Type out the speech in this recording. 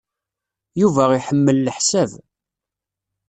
Yuba iḥemmel leḥsab.